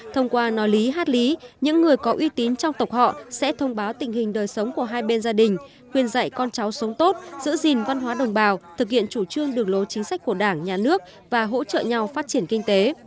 thông qua nói lý hát lý những người có uy tín trong tộc họ sẽ thông báo tình hình đời sống của hai bên gia đình khuyên dạy con cháu sống tốt giữ gìn văn hóa đồng bào thực hiện chủ trương đường lối chính sách của đảng nhà nước và hỗ trợ nhau phát triển kinh tế